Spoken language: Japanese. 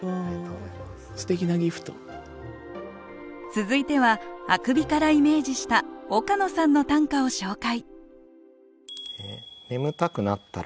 続いては「あくび」からイメージした岡野さんの短歌を紹介